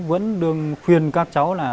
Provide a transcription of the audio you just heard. vẫn đương khuyên các cháu là